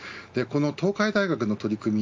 東海大学の取り組み